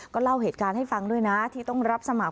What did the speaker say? ก็เล่าเหตุการณ์ให้ฟังด้วยนะที่ต้องรับสมัคร